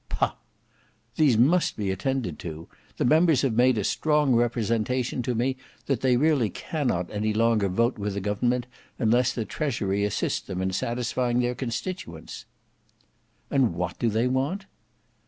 "Pah!" "These must be attended to. The members have made a strong representation to me that they really cannot any longer vote with government unless the Treasury assists them in satisfying their constituents." "And what do they want?"